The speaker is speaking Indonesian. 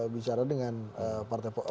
bicara dengan partai politik